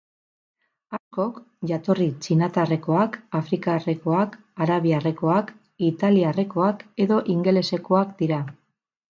Askok jatorri txinatarrekoak, afrikarrekoak, arabiarrekoak, italiarrekoak edo ingelesekoak dira.